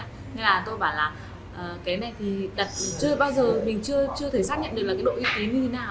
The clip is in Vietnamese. thế là tôi bảo là cái này thì đặt chưa bao giờ mình chưa thể xác nhận được là cái độ y tế như thế nào